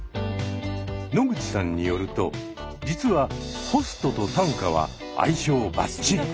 野口さんによると実はホストと短歌は相性バッチリ。